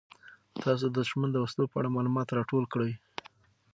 تاسو د دښمن د وسلو په اړه معلومات راټول کړئ.